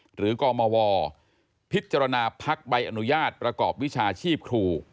กรมวพิจารณาพักใบอนุญาตประกอบวิชาชีพครู